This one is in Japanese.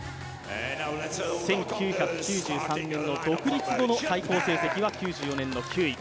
１９９３年の独立後の最高成績は９４年の９位。